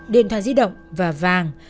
điện thoại di động và vàng